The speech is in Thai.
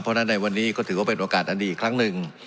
เพราะฉะนั้นในวันนี้ก็ถือว่าเป็นโอกาสอันดีอีกครั้งหนึ่ง